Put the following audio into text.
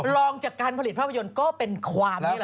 ลองจากการผลิตภาพยนตร์ก็เป็นความนี่แหละ